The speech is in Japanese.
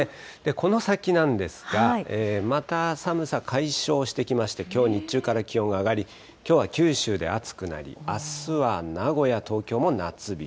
この先なんですが、また寒さ解消してきまして、きょう日中から気温が上がり、きょうは九州で暑くなり、あすは名古屋、東京も夏日。